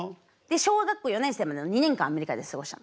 小学校４年生までの２年間アメリカで過ごしたの。